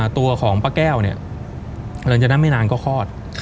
ตัวของป้าแก้วเนี่ยหลังจากนั้นไม่นานก็คลอด